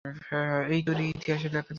এই চুরি, ইতিহাসে লেখা থাকবে।